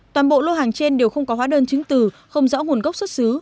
toàn bộ lô hàng trên đều không có hóa đơn chứng từ không rõ nguồn gốc xuất xứ